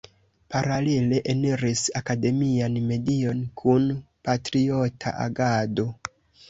Paralele eniris akademian medion kun patriota agado.